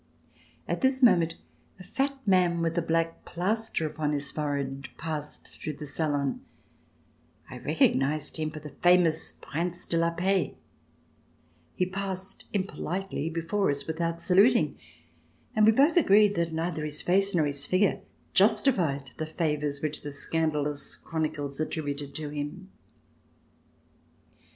At this moment a fat man with a black plaster upon his forehead passed through the salon. I recognized him /or the famous RECOLLECTIONS OF THE REVOLUTION Prince de la Paix. He passed impolitely before us without saluting and we both agreed that neither his face nor his figure justified the favors which the scandalous chronicles attributed to him.